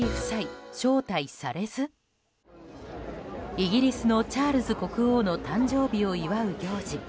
イギリスのチャールズ国王の誕生日を祝う行事